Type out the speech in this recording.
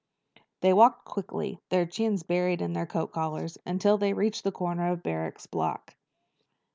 They walked quickly, their chins buried in their coat collars, until they reached the corner of Barrack's block.